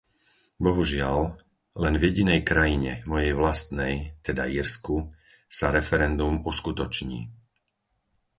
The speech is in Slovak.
Bohužiaľ, len v jedinej krajine - mojej vlastnej, teda Írsku - sa referendum uskutoční.